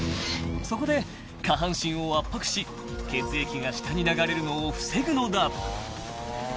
［そこで下半身を圧迫し血液が下に流れるのを防ぐのだ］